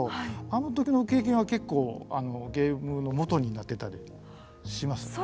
あのときの経験は結構ゲームのもとになってたりってしますね。